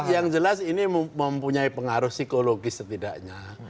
yang jelas ini mempunyai pengaruh psikologis setidaknya